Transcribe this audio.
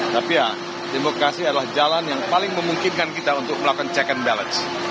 tapi ya demokrasi adalah jalan yang paling memungkinkan kita untuk melakukan check and balance